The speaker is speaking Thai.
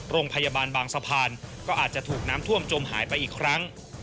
โรงพยาบาลบางสะพานก็อาจจะถูกน้ำท่วมจมหายไปอีกครั้ง